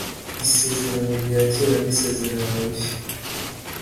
Isezerano rya Kera n’isezerano rishya